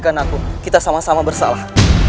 jangan pedulikan aku kita sama sama bersalah